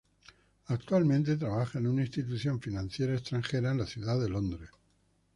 Actualmente trabaja en una institución financiera extranjera en la ciudad de Londres.